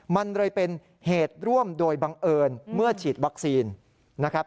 มันเลยเป็นเหตุร่วมโดยบังเอิญเมื่อฉีดวัคซีนนะครับ